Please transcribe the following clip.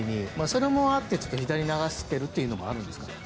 それもあって左に流しているというのもあるんですか？